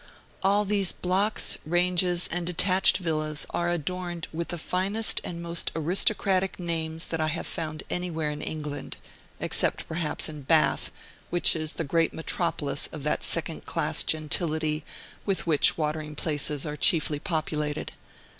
All these blocks, ranges, and detached villas are adorned with the finest and most aristocratic manes that I have found anywhere in England, except, perhaps, in Bath, which is the great metropolis of that second class gentility with which watering places are chiefly populated.